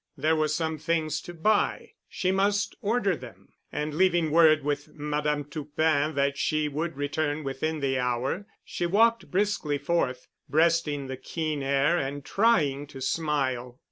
There were some things to buy. She must order them. And leaving word with Madame Toupin that she would return within the hour, she walked briskly forth, breasting the keen air and trying to smile.